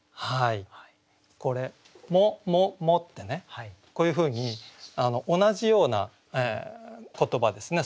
「も」ってねこういうふうに同じような言葉ですね